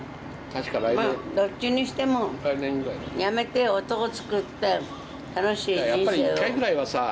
まあどっちにしてもやめて男つくって楽しい人生を。